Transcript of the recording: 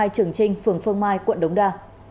một trăm linh hai trường trinh phường phương mai quận đống đa